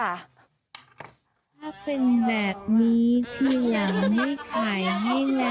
ถ้าเป็นแบบนี้พี่ยังไม่ขายให้แล้ว